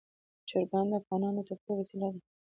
چرګان د افغانانو د تفریح یوه وسیله ده.